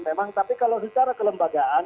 memang tapi kalau secara kelembagaan